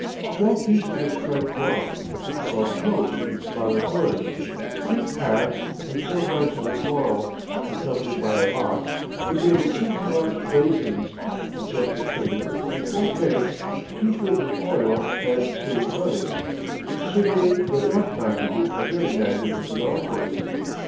"Twelve pieces of striped cloth, twelve cloaks with scarlet hoods, six hats, and four branches of coral, accompanied by a box containing six large basons, a chest of sugar, and four kegs, two filled with oil, and two with honey," certainly did not constitute a very magnificent offering.